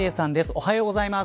おはようございます。